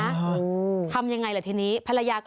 ฮะอูทำยังไงแหละทีนี้ภรรยากลับ